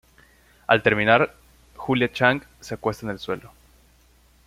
Al terminar, Julia Chang se acuesta en el suelo.